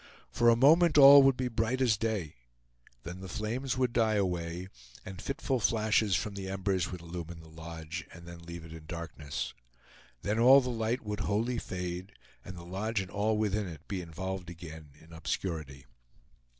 For a moment all would be bright as day; then the flames would die away, and fitful flashes from the embers would illumine the lodge, and then leave it in darkness. Then all the light would wholly fade, and the lodge and all within it be involved again in obscurity.